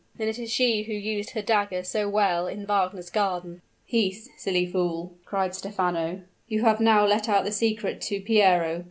"Then it is she who used her dagger so well in Wagner's garden." "Peace, silly fool!" cried Stephano. "You have now let out the secret to Piero.